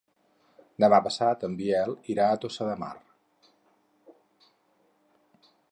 Demà passat en Biel irà a Tossa de Mar.